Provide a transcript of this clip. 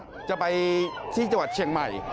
ที่จังหวัดเชียงใหม่